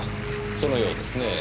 そのようですねぇ。